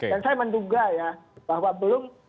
dan saya menduga ya bahwa belum